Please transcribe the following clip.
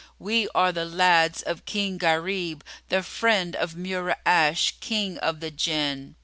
We are the lads of King Gharib, the friend of Mura'ash, King of the Jinn!"